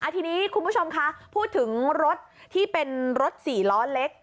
ทีนี้คุณผู้ชมคะพูดถึงรถที่เป็นรถ๔ล้อเล็ก